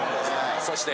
そして。